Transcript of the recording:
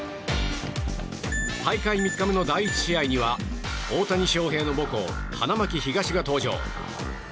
大会３日目の第１試合には大谷翔平の母校・花巻東が登場。